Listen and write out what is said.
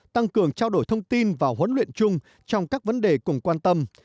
tăng cường trao đổi thông tin và huấn luyện chung trong các vấn đề cùng quan tâm